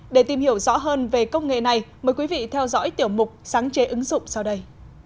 để tìm hiểu rõ hơn về công nghệ này mời quý vị theo dõi tiểu mục sáng chế ứng dụng sau đây